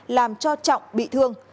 làm cho trọng bị thương